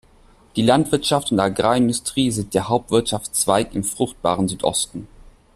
Die Landwirtschaft und Agrarindustrie sind der Hauptwirtschaftszweig im fruchtbaren Südosten.